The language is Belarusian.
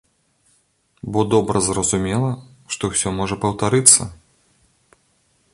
Бо добра зразумела, што ўсё можа паўтарыцца!